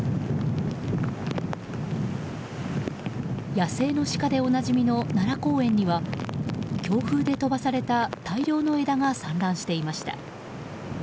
野生のシカでおなじみの奈良公園には強風で飛ばされた大量の枝が散乱していました。